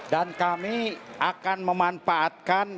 dan kami akan memanfaatkan